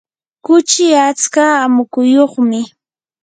kuchi atska amukuyuqmi.